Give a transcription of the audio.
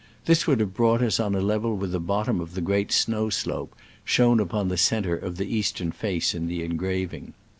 This would have brought us on a level with the bottom of the great snow slope shown upon the centre of the east ern face in the engraving.